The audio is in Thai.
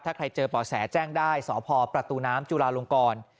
ถ้าใครเจอบ่อแสแจ้งได้สพประตูน้ำจุลาลงกร